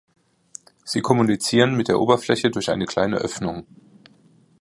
Sie kommunizieren mit der Oberfläche durch eine kleine Öffnung.